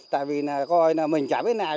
tại vì coi là mình chả biết nào